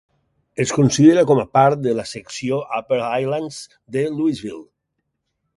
Es considera com a part de la secció Upper Highlands de Louisville.